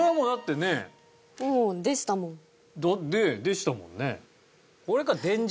ねえでしたもんね。